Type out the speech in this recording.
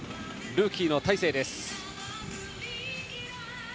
ルーキーの大勢です。